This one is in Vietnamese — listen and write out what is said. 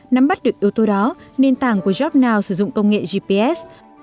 nắm bắt được yếu tố đó nền tảng của jobnow sử dụng công nghệ gps